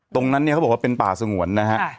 ตรงนั้นเนี่ยเขาบอกว่าเป็นป่าสงวนนะฮะ